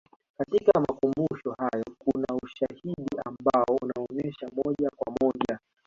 katika makumbusho hayo kuna ushahidi ambao unaonesha moja kwa moja